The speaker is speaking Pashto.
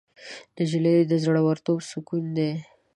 نجلۍ د زړونو سکون ده.